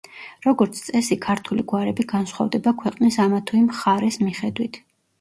როგორც წესი ქართული გვარები განსხვავდება ქვეყნის ამა თუ იმ მხარეს მიხედვით.